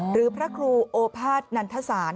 หรือพระครูโอภาษนันทศาน